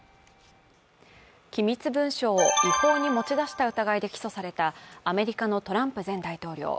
機密文書を違法に持ち出した疑いで起訴されたアメリカのトランプ前大統領。